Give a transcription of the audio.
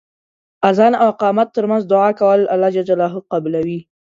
اذان او اقامت تر منځ دعا کول الله ج قبلوی .